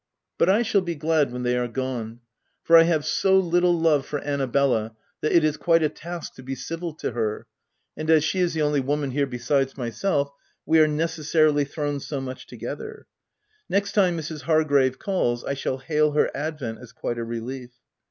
But I shall be glad when they are gone, for I have so little love for Anna bella that it is quite a task to be civil to her, and as she is the only woman here besides myself, we are necessarily thrown so much together. Next time Mrs. Hargrave calls, I shall hail her advent as quite a relief.